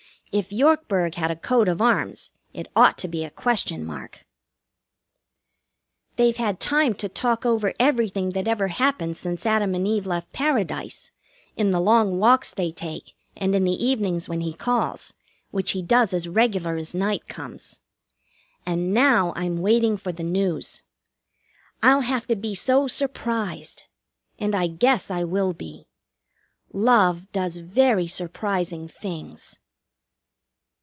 If Yorkburg had a coat of arms it ought to be a question mark. They've had time to talk over everything that ever happened since Adam and Eve left Paradise, in the long walks they take, and in the evenings when he calls, which he does as regular as night comes. And now I'm waiting for the news. I'll have to be so surprised. And I guess I will be. Love does very surprising things.